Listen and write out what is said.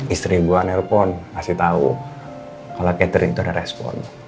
istri gue nelfon ngasih tau kalau catherine itu ada respon